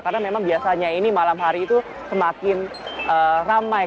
karena memang biasanya ini malam hari itu semakin ramai